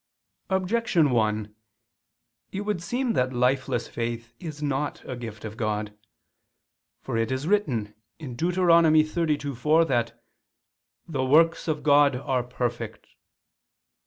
Objection 1: It would seem that lifeless faith is not a gift of God. For it is written (Deut. 32:4) that "the works of God are perfect."